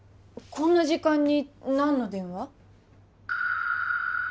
こんな時間に何の電話？